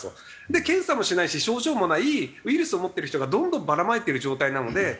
で検査もしないし症状もないウイルスを持ってる人がどんどんばらまいてる状態なのでそれは医療ひっ迫するよねと。